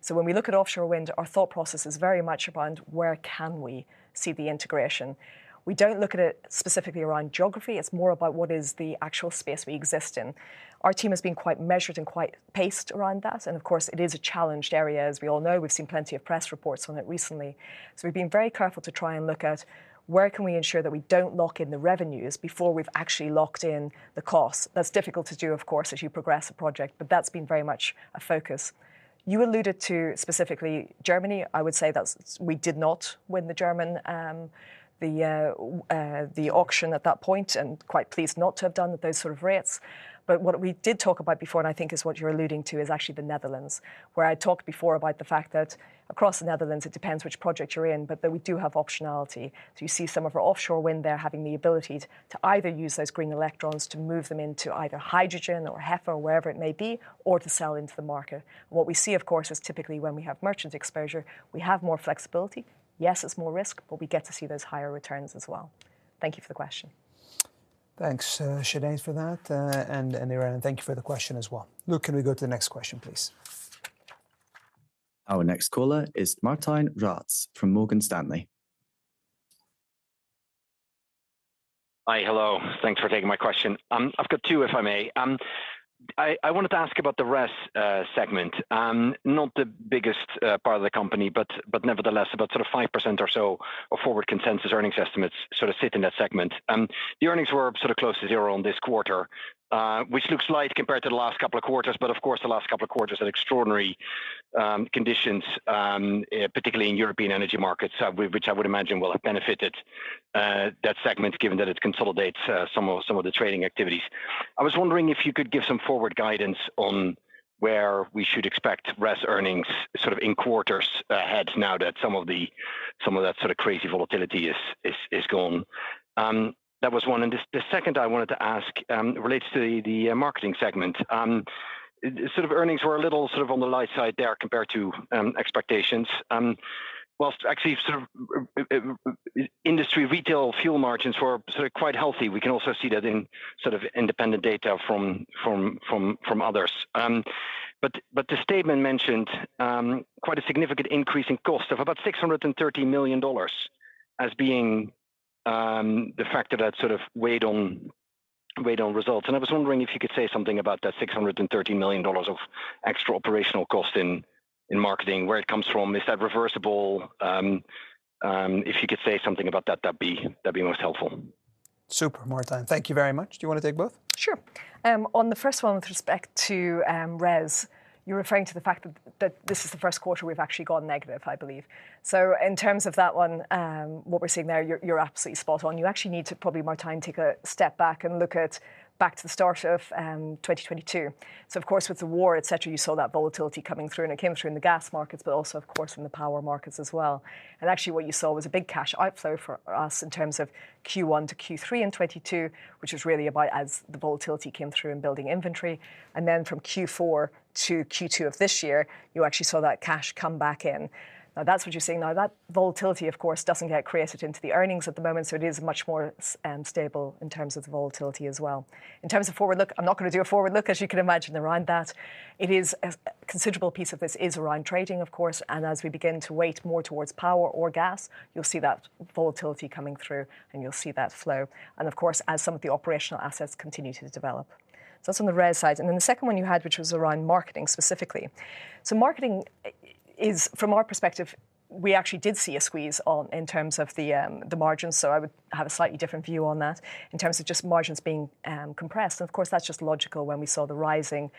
So when we look at offshore wind, our thought process is very much around where can we see the integration? We don't look at it specifically around geography. It's more about what is the actual space we exist in. Our team has been quite measured and quite paced around that, and of course, it is a challenged area, as we all know. We've seen plenty of press reports on it recently. So we've been very careful to try and look at where can we ensure that we don't lock in the revenues before we've actually locked in the costs. That's difficult to do, of course, as you progress a project, but that's been very much a focus. You alluded to specifically Germany. I would say that's... We did not win the German auction at that point, and quite pleased not to have done at those sort of rates. But what we did talk about before, and I think is what you're alluding to, is actually the Netherlands, where I talked before about the fact that across the Netherlands, it depends which project you're in, but that we do have optionality. So you see some of our offshore wind there having the ability to either use those green electrons to move them into either hydrogen or HEFA or wherever it may be, or to sell into the market. What we see, of course, is typically when we have merchant exposure, we have more flexibility. Yes, it's more risk, but we get to see those higher returns as well. Thank you for the question. Thanks, Sinead, for that, and Irene, thank you for the question as well. Luke, can we go to the next question, please? Our next caller is Martijn Rats from Morgan Stanley. Hi, hello. Thanks for taking my question. I've got two, if I may. I wanted to ask about the RES segment. Not the biggest part of the company, but nevertheless, about sort of 5% or so of forward consensus earnings estimates sort of sit in that segment. The earnings were sort of close to zero on this quarter, which looks light compared to the last couple of quarters, but of course, the last couple of quarters had extraordinary conditions, particularly in European energy markets, which I would imagine will have benefited that segment, given that it consolidates some of the trading activities. I was wondering if you could give some forward guidance on where we should expect RES earnings sort of in quarters ahead, now that some of that sort of crazy volatility is gone. That was one, and the second I wanted to ask relates to the marketing segment. Sort of earnings were a little sort of on the light side there compared to expectations. While actually sort of industry retail fuel margins were sort of quite healthy. We can also see that in sort of independent data from others. But the statement mentioned quite a significant increase in cost of about $630 million as being the factor that sort of weighed on results. I was wondering if you could say something about that $630 million of extra operational cost in marketing, where it comes from. Is that reversible? If you could say something about that, that'd be most helpful. Super, Martijn. Thank you very much. Do you want to take both? Sure. On the first one, with respect to RES, you're referring to the fact that this is the Q1 we've actually gone negative, I believe. So in terms of that one, what we're seeing there, you're absolutely spot on. You actually need to probably, Martijn, take a step back and look back to the start of 2022. So of course, with the war, et cetera, you saw that volatility coming through, and it came through in the gas markets, but also of course in the power markets as well. And actually, what you saw was a big cash outflow for us in terms of Q1 to Q3 in 2022, which was really about as the volatility came through in building inventory, and then from Q4 to Q2 of this year, you actually saw that cash come back in. That's what you're seeing now. That volatility, of course, doesn't get created into the earnings at the moment, so it is much more stable in terms of the volatility as well. In terms of forward look, I'm not gonna do a forward look, as you can imagine, around that. It is a considerable piece of this is around trading, of course, and as we begin to weight more towards power or gas, you'll see that volatility coming through, and you'll see that flow, and of course, as some of the operational assets continue to develop. So that's on the RES side. Then the second one you had, which was around marketing specifically. So, marketing, from our perspective, we actually did see a squeeze on, in terms of the margins, so I would have a slightly different view on that in terms of just margins being compressed. And of course, that's just logical when we saw the rising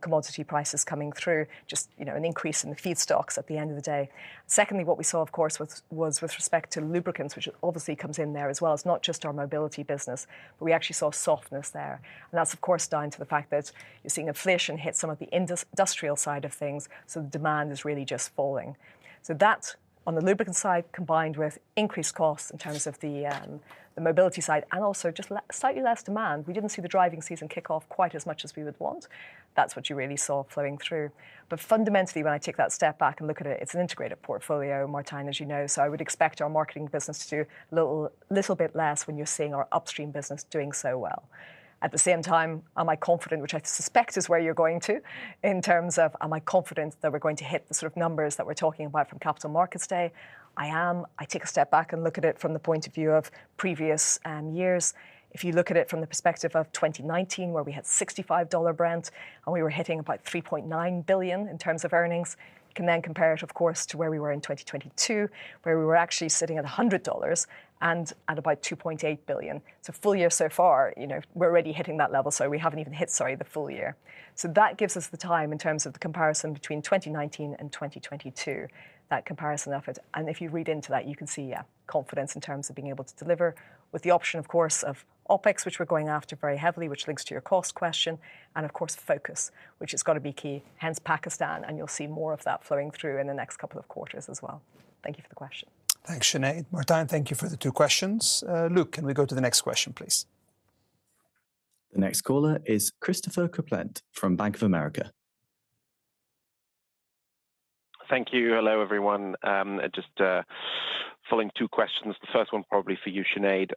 commodity prices coming through, just, you know, an increase in the feedstocks at the end of the day. Secondly, what we saw, of course, was with respect to lubricants, which obviously comes in there as well. It's not just our mobility business, but we actually saw softness there, and that's of course, down to the fact that you're seeing inflation hit some of the industrial side of things, so demand is really just falling. So that's on the lubricant side, combined with increased costs in terms of the mobility side and also just slightly less demand. We didn't see the driving season kick off quite as much as we would want. That's what you really saw flowing through. But fundamentally, when I take that step back and look at it, it's an integrated portfolio, Martijn, as you know, so I would expect our marketing business to do a little, little bit less when you're seeing our upstream business doing so well. At the same time, am I confident, which I suspect is where you're going to, in terms of am I confident that we're going to hit the sort of numbers that we're talking about from Capital Markets Day? I am. I take a step back and look at it from the point of view of previous years. If you look at it from the perspective of 2019, where we had $65 Brent and we were hitting about $3.9 billion in terms of earnings, you can then compare it, of course, to where we were in 2022, where we were actually sitting at $100 and at about $2.8 billion. So full year so far, you know, we're already hitting that level, so we haven't even hit, sorry, the full year. So that gives us the time in terms of the comparison between 2019 and 2022, that comparison effort. If you read into that, you can see, yeah, confidence in terms of being able to deliver, with the option, of course, of OpEx, which we're going after very heavily, which links to your cost question, and of course, focus, which has got to be key, hence Pakistan, and you'll see more of that flowing through in the next couple of quarters as well. Thank you for the question. Thanks, Sinead. Martijn, thank you for the two questions. Luke, can we go to the next question, please? The next caller is Christopher Kuplent from Bank of America. Thank you. Hello, everyone. Just following two questions. The first one probably for you, Sinead.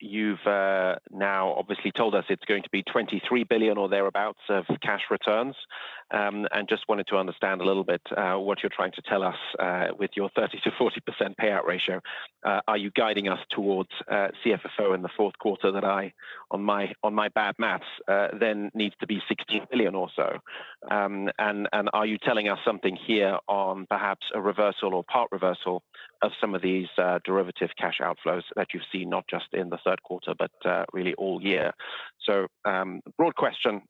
You've now obviously told us it's going to be $23 billion or thereabouts of cash returns. And just wanted to understand a little bit what you're trying to tell us with your 30%-40% payout ratio. Are you guiding us towards CFFO in the Q4 that I, on my bad maths, then needs to be $16 billion or so? And are you telling us something here on perhaps a reversal or part reversal of some of these derivative cash outflows that you've seen, not just in the Q3, but really all year? So, broad question,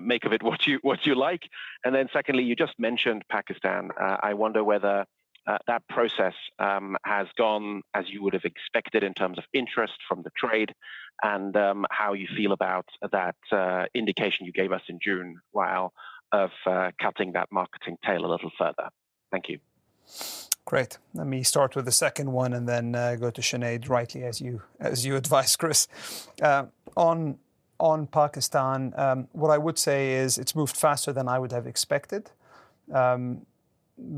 make of it what you like. And then secondly, you just mentioned Pakistan. I wonder whether that process has gone as you would have expected in terms of interest from the trade, and how you feel about that indication you gave us in June while of cutting that marketing tail a little further. Thank you. Great. Let me start with the second one and then go to Sinead, rightly, as you advised, Chris. On Pakistan, what I would say is it's moved faster than I would have expected,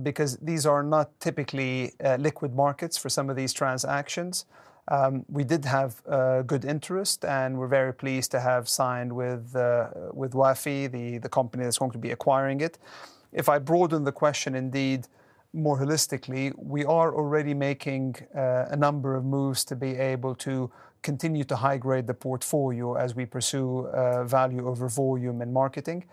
because these are not typically liquid markets for some of these transactions. We did have good interest, and we're very pleased to have signed with Wafi, the company that's going to be acquiring it. If I broaden the question indeed more holistically, we are already making a number of moves to be able to continue to high-grade the portfolio as we pursue value over volume in marketing.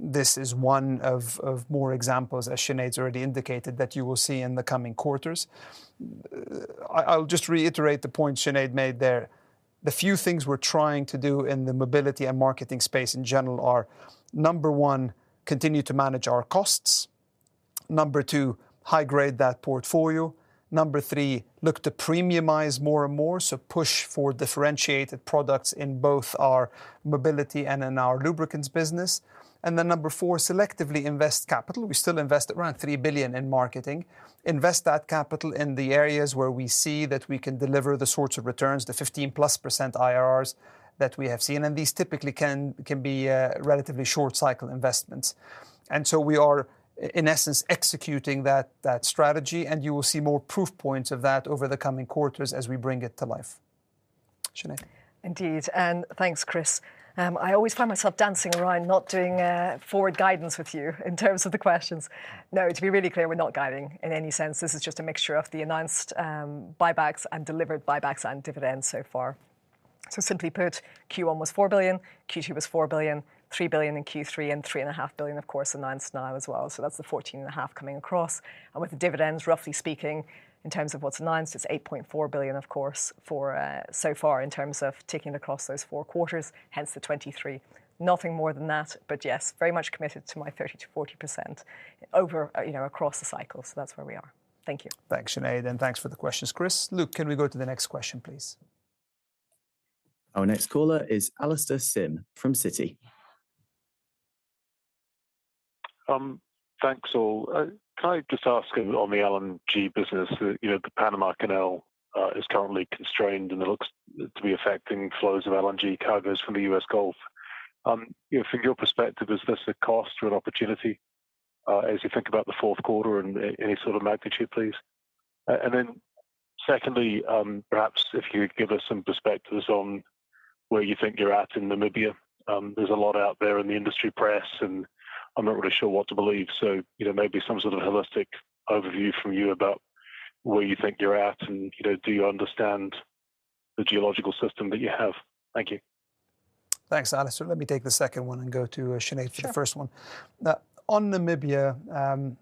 This is one of more examples, as Sinead's already indicated, that you will see in the coming quarters. I, I'll just reiterate the point Sinead made there. The few things we're trying to do in the mobility and marketing space in general are, number one, continue to manage our costs. Number two, high-grade that portfolio. Number three, look to premiumize more and more, so push for differentiated products in both our mobility and in our lubricants business. And then number four, selectively invest capital. We still invest around $3 billion in marketing. Invest that capital in the areas where we see that we can deliver the sorts of returns, the 15%+ IRRs that we have seen, and these typically can, can be relatively short-cycle investments. And so we are, in essence, executing that, that strategy, and you will see more proof points of that over the coming quarters as we bring it to life. Sinead? Indeed, and thanks, Chris. I always find myself dancing around, not doing forward guidance with you in terms of the questions. No, to be really clear, we're not guiding in any sense. This is just a mixture of the announced buybacks and delivered buybacks and dividends so far. So simply put, Q1 was $4 billion, Q2 was $4 billion, $3 billion in Q3, and $3.5 billion, of course, announced now as well. So that's the $14.5 billion coming across. And with the dividends, roughly speaking, in terms of what's announced, it's $8.4 billion, of course, for so far in terms of ticking across those four quarters, hence the $23 billion. Nothing more than that, but yes, very much committed to my 30%-40% over, you know, across the cycle. So that's where we are. Thank you. Thanks, Sinead, and thanks for the questions, Chris. Luke, can we go to the next question, please? Our next caller is Alastair Syme from Citi. Thanks, all. Can I just ask on the LNG business, you know, the Panama Canal is currently constrained, and it looks to be affecting flows of LNG cargos from the US Gulf? From your perspective, is this a cost or an opportunity as you think about the Q4, and any sort of magnitude, please? And then secondly, perhaps if you'd give us some perspectives on where you think you're at in Namibia. There's a lot out there in the industry press, and I'm not really sure what to believe. So, you know, maybe some sort of holistic overview from you about where you think you're at, and, you know, do you understand the geological system that you have? Thank you. Thanks, Alastair. Let me take the second one and go to, Sinead for the first one. Sure Now, on Namibia,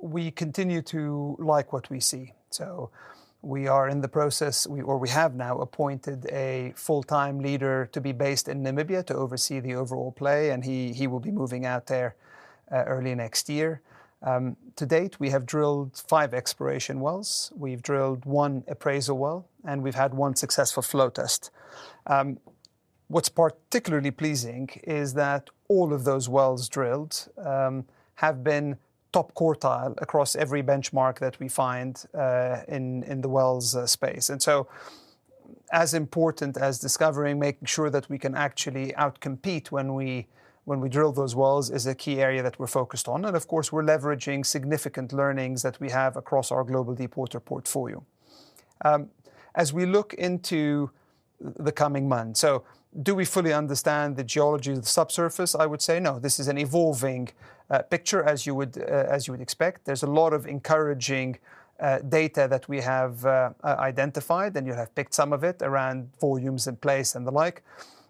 we continue to like what we see. So we are in the process, or we have now appointed a full-time leader to be based in Namibia to oversee the overall play, and he will be moving out there early next year. To date, we have drilled five exploration wells. We've drilled one appraisal well, and we've had one successful flow test. What's particularly pleasing is that all of those wells drilled have been top quartile across every benchmark that we find in the wells space. And so as important as discovering, making sure that we can actually out-compete when we drill those wells is a key area that we're focused on, and of course, we're leveraging significant learnings that we have across our global deepwater portfolio. As we look into the coming months. So do we fully understand the geology of the subsurface? I would say no. This is an evolving picture, as you would as you would expect. There's a lot of encouraging data that we have identified, and you have picked some of it around volumes in place and the like.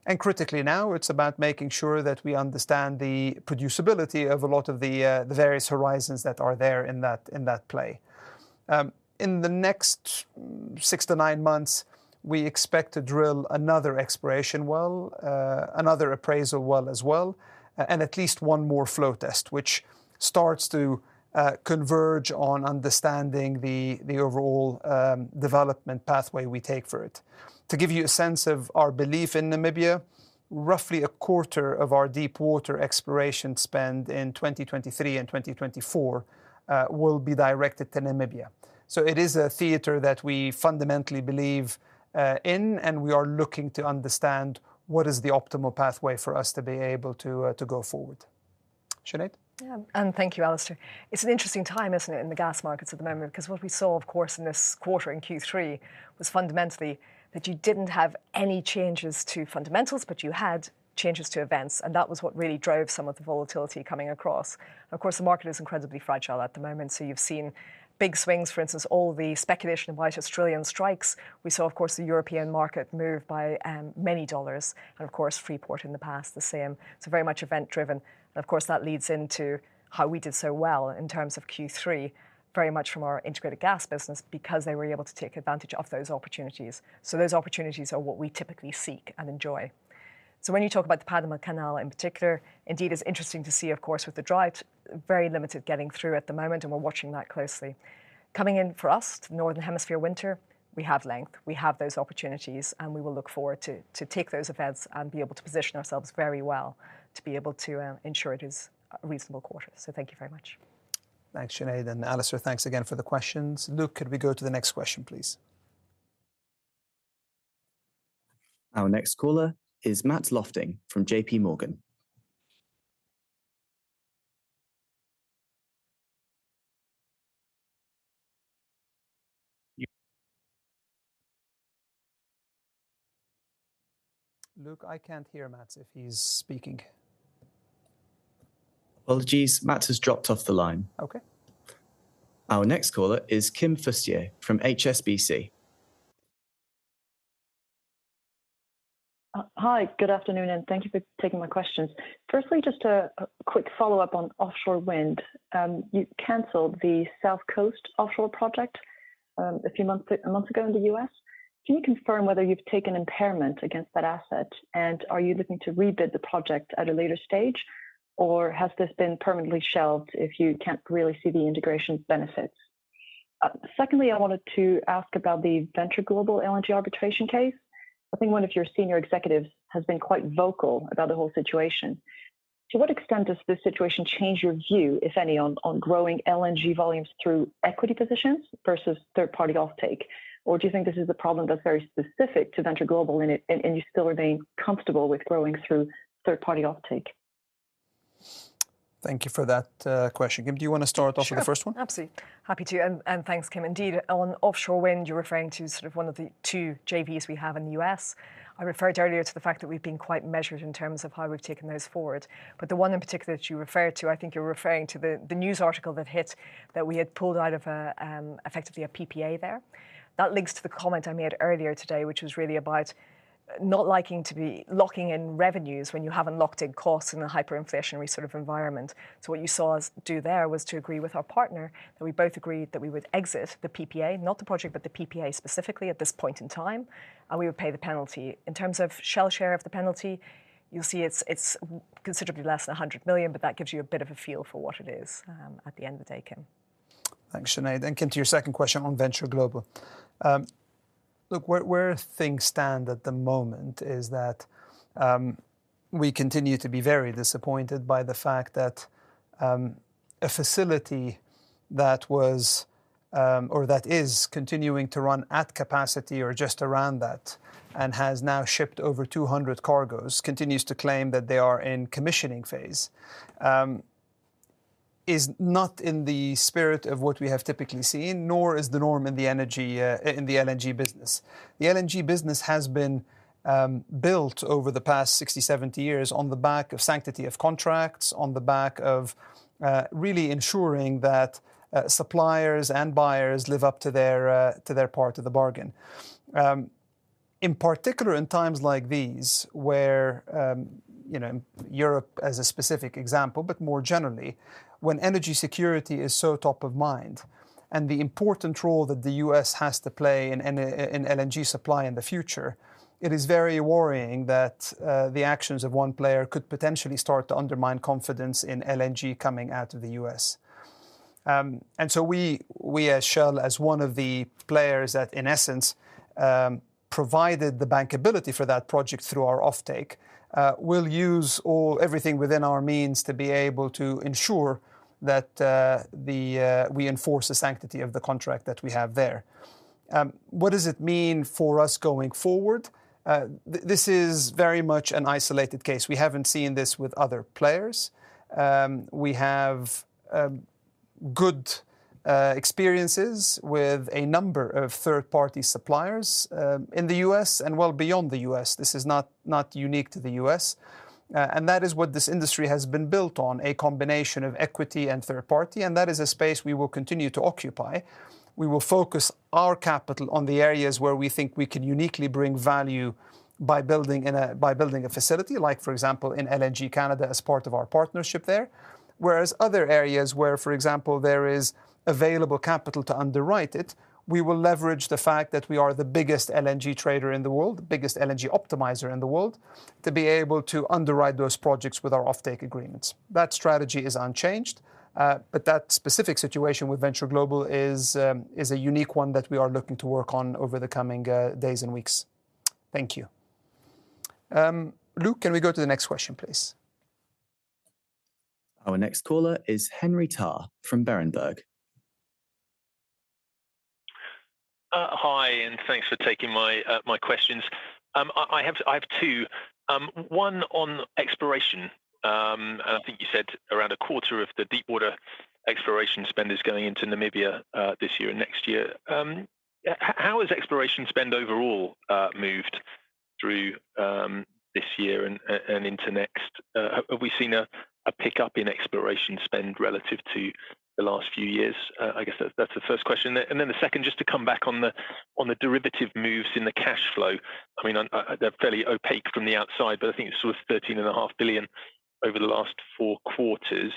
And critically now, it's about making sure that we understand the producibility of a lot of the various horizons that are there in that, in that play. In the next six to nine months, we expect to drill another exploration well, another appraisal well as well, and at least one more flow test, which starts to converge on understanding the overall development pathway we take for it. To give you a sense of our belief in Namibia, roughly a quarter of our deepwater exploration spend in 2023 and 2024, will be directed to Namibia. It is a theater that we fundamentally believe in, and we are looking to understand what is the optimal pathway for us to be able to, to go forward. Sinead? Yeah, and thank you, Alastair. It's an interesting time, isn't it, in the gas markets at the moment? 'Cause what we saw, of course, in this quarter, in Q3, was fundamentally that you didn't have any changes to fundamentals, but you had changes to events, and that was what really drove some of the volatility coming across. Of course, the market is incredibly fragile at the moment, so you've seen big swings, for instance, all the speculation about Australian strikes. We saw, of course, the European market move by many dollars, and of course, Freeport in the past, the same. It's very much event-driven. And of course, that leads into how we did so well in terms of Q3, very much from our integrated gas business, because they were able to take advantage of those opportunities. So those opportunities are what we typically seek and enjoy. So when you talk about the Panama Canal in particular, indeed, it's interesting to see, of course, with the drought, very limited getting through at the moment, and we're watching that closely. Coming in for us, Northern Hemisphere winter, we have length, we have those opportunities, and we will look forward to take those events and be able to position ourselves very well, to be able to ensure it is a reasonable quarter. So thank you very much. Thanks, Sinead, and Alastair, thanks again for the questions. Luke, could we go to the next question, please? Our next caller is Matt Lofting from JPMorgan. Luke, I can't hear Matt if he's speaking. Apologies, Matt has dropped off the line. Okay. Our next caller is Kim Fustier from HSBC. Hi, good afternoon, and thank you for taking my questions. Firstly, just a quick follow-up on offshore wind. You canceled the SouthCoast offshore project, a few months ago in the U.S. Can you confirm whether you've taken impairment against that asset, and are you looking to rebid the project at a later stage, or has this been permanently shelved if you can't really see the integration benefits? Secondly, I wanted to ask about the Venture Global LNG arbitration case. I think one of your senior executives has been quite vocal about the whole situation. To what extent does this situation change your view, if any, on growing LNG volumes through equity positions versus third-party offtake? Or do you think this is a problem that's very specific to Venture Global, and you still remain comfortable with growing through third-party offtake? Thank you for that, question. Kim, do you wanna start off with the first one? Sure, absolutely. Happy to, and, and thanks, Kim. Indeed, on offshore wind, you're referring to sort of one of the two JVs we have in the U.S. I referred earlier to the fact that we've been quite measured in terms of how we've taken those forward. But the one in particular that you referred to, I think you're referring to the, the news article that hit, that we had pulled out of a, effectively a PPA there. That links to the comment I made earlier today, which was really about not liking to be locking in revenues when you haven't locked in costs in a hyperinflationary sort of environment. So what you saw us do there was to agree with our partner, and we both agreed that we would exit the PPA, not the project, but the PPA specifically at this point in time, and we would pay the penalty. In terms of Shell share of the penalty, you'll see it's considerably less than $100 million, but that gives you a bit of a feel for what it is, at the end of the day, Kim. Thanks, Sinead. Then, Kim, to your second question on Venture Global. Look, where things stand at the moment is that we continue to be very disappointed by the fact that a facility that is continuing to run at capacity or just around that, and has now shipped over 200 cargoes, continues to claim that they are in commissioning phase. Is not in the spirit of what we have typically seen, nor is the norm in the energy in the LNG business. The LNG business has been built over the past 60-70 years on the back of sanctity of contracts, on the back of really ensuring that suppliers and buyers live up to their to their part of the bargain. In particular, in times like these, where, you know, Europe as a specific example, but more generally, when energy security is so top of mind, and the important role that the U.S. has to play in LNG supply in the future, it is very worrying that the actions of one player could potentially start to undermine confidence in LNG coming out of the U.S. And so we, as Shell, as one of the players that, in essence, provided the bankability for that project through our offtake, will use everything within our means to be able to ensure that we enforce the sanctity of the contract that we have there. What does it mean for us going forward? This is very much an isolated case. We haven't seen this with other players. We have good experiences with a number of third-party suppliers in the U.S. and well beyond the U.S. This is not unique to the U.S. And that is what this industry has been built on, a combination of equity and third-party, and that is a space we will continue to occupy. We will focus our capital on the areas where we think we can uniquely bring value by building a facility, like, for example, in LNG Canada as part of our partnership there. Whereas other areas where, for example, there is available capital to underwrite it, we will leverage the fact that we are the biggest LNG trader in the world, the biggest LNG optimizer in the world, to be able to underwrite those projects with our offtake agreements. That strategy is unchanged, but that specific situation with Venture Global is a unique one that we are looking to work on over the coming days and weeks. Thank you. Luke, can we go to the next question, please? Our next caller is Henry Tarr from Berenberg. Hi, and thanks for taking my questions. I have two. One on exploration. And I think you said around a quarter of the deepwater exploration spend is going into Namibia this year and next year. How has exploration spend overall moved through this year and into next? Have we seen a pickup in exploration spend relative to the last few years? I guess that's the first question. And then the second, just to come back on the derivative moves in the cash flow, I mean, they're fairly opaque from the outside, but I think it's sort of $13.5 billion over the last four quarters.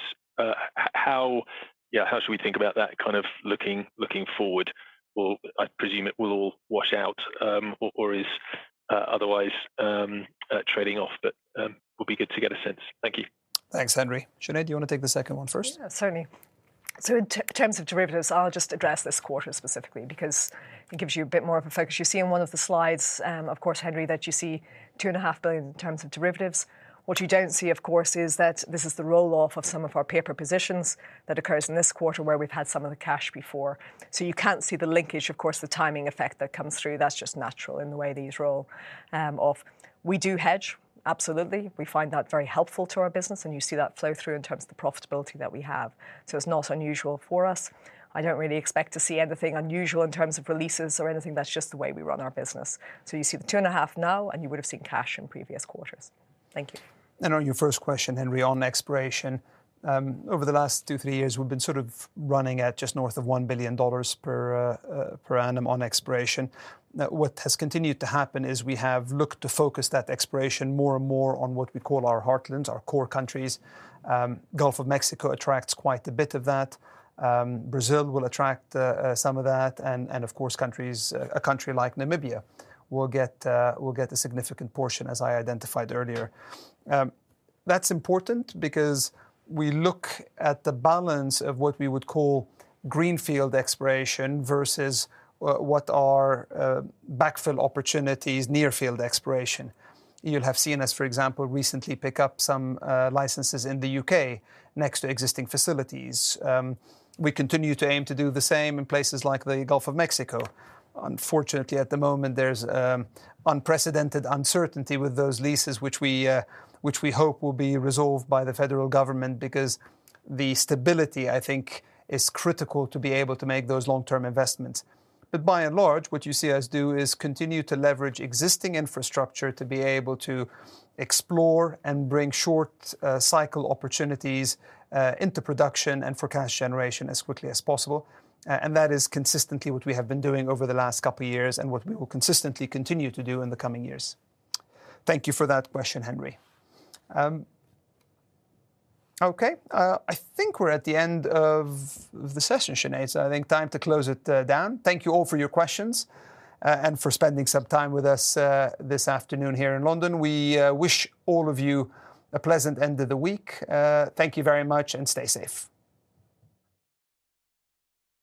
How... yeah, how should we think about that kind of looking forward? Or I presume it will all wash out, or is otherwise trading off, but it would be good to get a sense. Thank you. Thanks, Henry. Sinead, do you wanna take the second one first? Yeah, certainly. So in terms of derivatives, I'll just address this quarter specifically, because it gives you a bit more of a focus. You see in one of the slides, of course, Henry, that you see $2.5 billion in terms of derivatives. What you don't see, of course, is that this is the roll-off of some of our paper positions that occurs in this quarter, where we've had some of the cash before. So you can't see the linkage, of course, the timing effect that comes through, that's just natural in the way these roll off. We do hedge, absolutely. We find that very helpful to our business, and you see that flow through in terms of the profitability that we have. So it's not unusual for us. I don't really expect to see anything unusual in terms of releases or anything. That's just the way we run our business. So you see the 2.5 now, and you would've seen cash in previous quarters. Thank you. On your first question, Henry, on exploration, over the last two to three years, we've been sort of running at just north of $1 billion per annum on exploration. Now, what has continued to happen is we have looked to focus that exploration more and more on what we call our heartlands, our core countries. Gulf of Mexico attracts quite a bit of that. Brazil will attract some of that, and of course, a country like Namibia will get a significant portion, as I identified earlier. That's important because we look at the balance of what we would call greenfield exploration versus what are backfill opportunities, near-field exploration. You'll have seen us, for example, recently pick up some licenses in the U.K. next to existing facilities. We continue to aim to do the same in places like the Gulf of Mexico. Unfortunately, at the moment, there's unprecedented uncertainty with those leases, which we, which we hope will be resolved by the federal government, because the stability, I think, is critical to be able to make those long-term investments. But by and large, what you see us do is continue to leverage existing infrastructure to be able to explore and bring short cycle opportunities into production and for cash generation as quickly as possible. And that is consistently what we have been doing over the last couple of years, and what we will consistently continue to do in the coming years. Thank you for that question, Henry. Okay, I think we're at the end of the session, Sinead, so I think time to close it down. Thank you all for your questions, and for spending some time with us, this afternoon here in London. We, wish all of you a pleasant end of the week. Thank you very much, and stay safe.